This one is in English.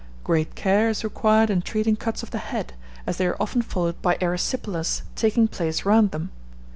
Great care is required in treating cuts of the head, as they are often followed by erysipelas taking place round them.